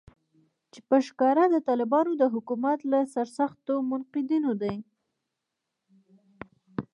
چې په ښکاره د طالبانو د حکومت له سرسختو منتقدینو دی